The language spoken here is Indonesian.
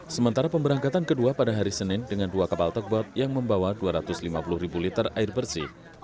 sementara pemberangkatan kedua pada hari senin dengan dua kapal tekbot yang membawa dua ratus lima puluh ribu liter air bersih